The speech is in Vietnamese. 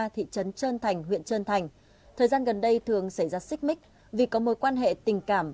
thị trấn trân thành huyện trân thành thời gian gần đây thường xảy ra xích mích vì có mối quan hệ tình cảm